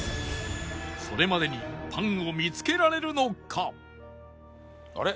それまでにパンを見つけられるのか？